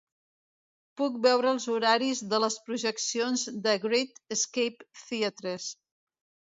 Puc veure els horaris de les projeccions de Great Escape Theatres